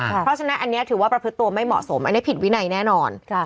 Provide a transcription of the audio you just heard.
เพราะฉะนั้นอันนี้ถือว่าประพฤติตัวไม่เหมาะสมอันนี้ผิดวินัยแน่นอน